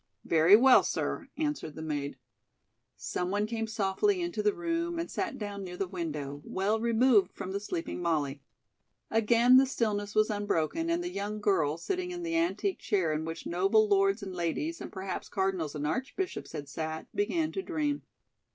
"Very well, sir," answered the maid. Someone came softly into the room and sat down near the window, well removed from the sleeping Molly. Again the stillness was unbroken and the young girl, sitting in the antique chair in which noble lords and ladies and perhaps cardinals and archbishops had sat, began to dream.